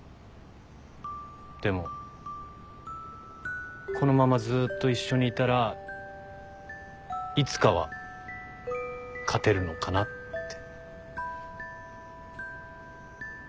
でもこのままずーっと一緒にいたらいつかは勝てるのかなって。